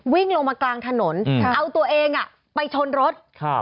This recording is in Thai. วิ่งลงมากลางถนนเอาตัวเองอ่ะไปชนรถครับ